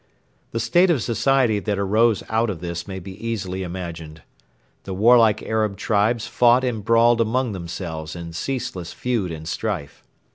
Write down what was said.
The state of society that arose out of this may be easily imagined. The warlike Arab tribes fought and brawled among themselves in ceaseless feud and strife.